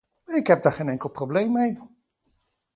Ik heb daar geen enkel probleem mee.